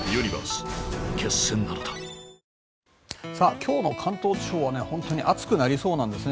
今日の関東地方は本当に暑くなりそうなんですね。